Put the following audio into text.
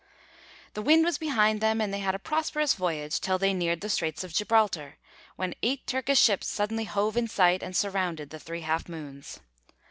The wind was behind them and they had a prosperous voyage till they neared the Straits of Gibraltar, when eight Turkish ships suddenly hove in sight, and surrounded the 'Three Half Moons.'